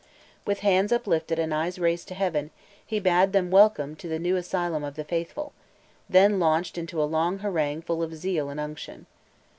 With hands uplifted and eyes raised to heaven, he bade them welcome to the new asylum of the faithful; then launched into a long harangue full of zeal and unction.